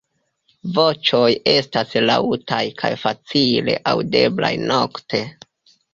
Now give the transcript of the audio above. Voĉoj estas laŭtaj kaj facile aŭdeblaj nokte.